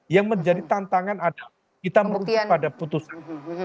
yang menjadi tantangan adalah kita merujuk pada putusan